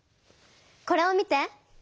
これを見て！